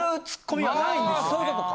あそういうことか。